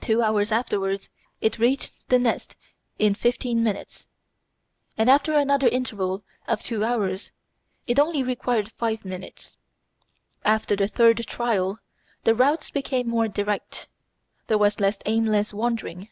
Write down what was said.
Two hours afterwards it reached the nest in fifteen minutes; and after another interval of two hours it only required five minutes. After the third trial, the routes became more direct, there was less aimless wandering.